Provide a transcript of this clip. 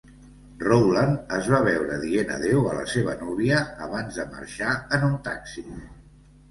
Rowland es va veure dient adéu a la seva núvia abans de marxar en un taxi.